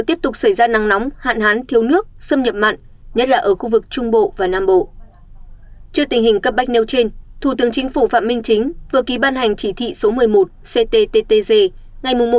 trước tình hình cấp bách nêu trên thủ tướng chính phủ phạm minh chính vừa ký ban hành chỉ thị số một mươi một ctttg ngày một bốn hai nghìn hai mươi bốn